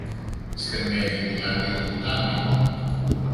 Στενεύει δηλαδή το ποτάμι;